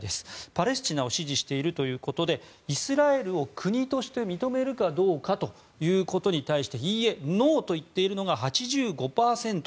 パレスチナを支持しているということでイスラエルを国として認めるかどうかということに対していいえ、ノーと言っているのが８５％。